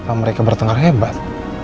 apa mereka bertengkar hebat